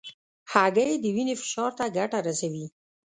هګۍ د وینې فشار ته ګټه رسوي.